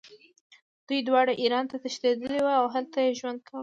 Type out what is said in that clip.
دوی دواړه ایران ته تښتېدلي وو او هلته یې ژوند کاوه.